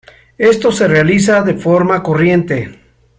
Esto se realiza de forma corriente.